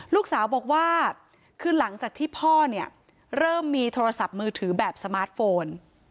ลูกสาวบอกว่าคือหลังจากที่พ่อเนี่ยเริ่มมีโทรศัพท์มือถือแบบสมาร์ทโฟน